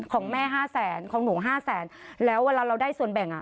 ของแม่ห้าแสนของหนูห้าแสนแล้วเวลาเราได้ส่วนแบ่งอ่ะ